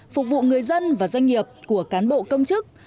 phục vụ người dân và doanh nghiệp của cán bộ công chức